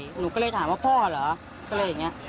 หนูก็เลยถามว่าพ่อเหรอก็เลยอย่างนี้